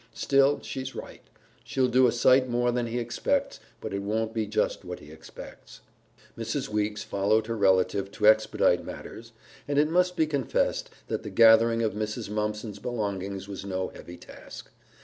Still, she's right; she'll do a sight more than he expects, but it won't be just what he expects." Mrs. Weeks followed her relative to expedite matters, and it must be confessed that the gathering of Mrs. Mumpson's belongings was no heavy task.